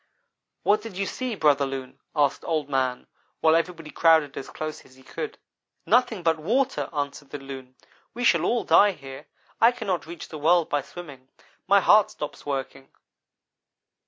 "'What did you see, Brother Loon?' asked Old man, while everybody crowded as close as he could. "'Nothing but water,' answered the Loon, 'we shall all die here, I cannot reach the world by swimming. My heart stops working.'